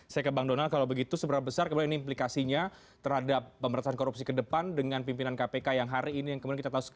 saya ke bang donal kalau begitu seberapa besar kemungkinan ini implikasinya terhadap pemberantasan korupsi ke depan dengan pimpinan kpk yang hari ini